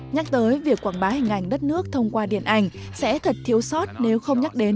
nhắc tới việc quảng bá hình ảnh đất nước thông qua điện ảnh sẽ thật thiếu sót nếu không nhắc đến